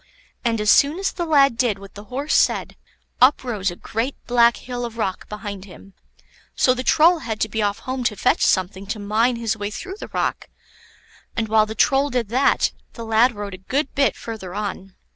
And as soon as the lad did what the Horse said, up rose a great black hill of rock behind him. So the Troll had to be off home to fetch something to mine his way through the rock; and while the Troll did that, the lad rode a good bit further on.